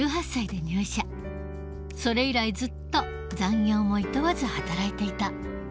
それ以来ずっと残業もいとわず働いていた。